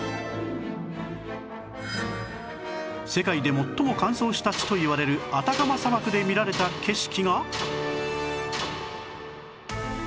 世界で最も乾燥した地といわれるアタカマ砂漠で見られた景色が